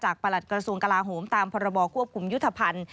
ประหลัดกระทรวงกลาโหมตามพรบควบคุมยุทธภัณฑ์